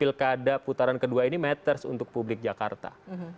pilkada putaran kedua ini matters untuk publik jakarta